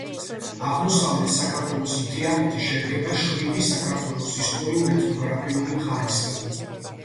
აღმოსავლეთ საქართველოს მთიანეთი შედგება შვიდი საქართველოს ისტორიულ-ეთნოგრაფიული მხარისგან.